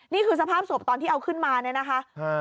นี่คือสภาพศพตอนที่เอาขึ้นมาเนี่ยนะคะ